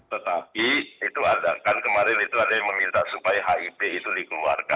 tetapi itu ada kan kemarin itu ada yang meminta supaya hip itu dikeluarkan